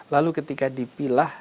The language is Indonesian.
lalu ketika dipilah